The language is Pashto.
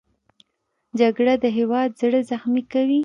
جګړه د هېواد زړه زخمي کوي